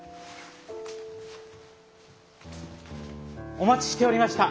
お待ちしておりました。